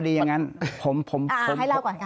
อ่าอืมให้เล่าก่อน